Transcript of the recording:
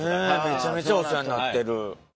めちゃめちゃお世話になってる。